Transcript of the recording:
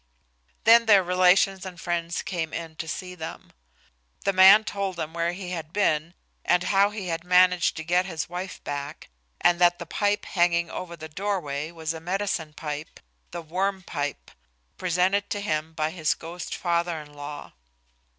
Then their relations and friends came in to see them. The man told them where he had been and how he had managed to get his wife back, and that the pipe hanging over the doorway was a medicine pipe the Worm Pipe presented to him by his ghost father in law.